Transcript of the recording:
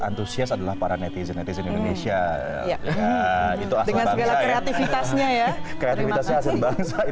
antusias adalah para netizen netizen indonesia itu asal bangsa ya kreativitasnya ya terima kasih